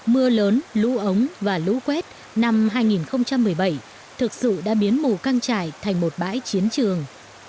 mưa lớn lũ ống và lũ quét năm hai nghìn một mươi bảy thực sự đã biến mù căng trải thành một bãi chiến trường